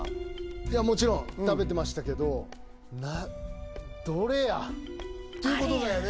いやもちろん食べてましたけどどれや？ということだよね